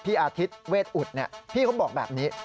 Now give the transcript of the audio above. พี่อาทิตย์เวทอุทธิ์พี่เขาบอกแบบนี้